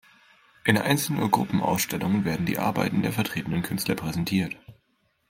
In Einzel- und Gruppenausstellungen werden die Arbeiten der vertretenen Künstler präsentiert.